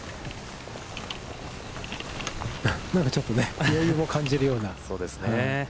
なんかちょっと余裕も感じるような。